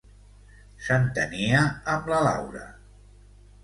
S'entenia amb la Laura!